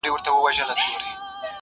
او فضا غمجنه ښکاري ډېر.